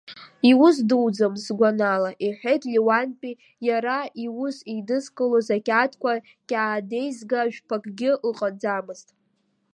Иус дуӡам, сгәанала, — иҳәеит Леуанти, иара иус еидызкылоз ақьаадқәа қьаадеизга жәпакгьы ыҟаӡамызт.